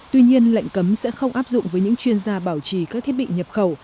tuy nhiên lệnh cấm sẽ không áp dụng với những chuyên gia bảo trì các thiết bị nhập khẩu